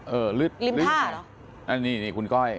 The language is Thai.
เออลึดลึดริมท่าเหรอนี่คุณก้อย